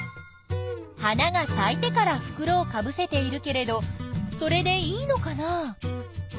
花がさいてからふくろをかぶせているけれどそれでいいのかな？